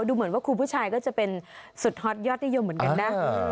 ดูเหมือนว่าครูผู้ชายก็จะเป็นสุดฮอตยอดนิยมเหมือนกันนะ